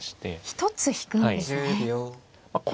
一つ引くんですね。